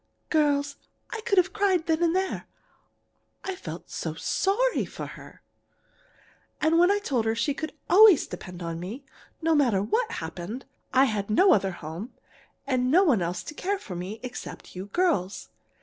"Girls, I could have cried then and there I felt so sorry for her. And I told her she could always depend on me, no matter what happened. I had no other home and no one else to care for me except you girls.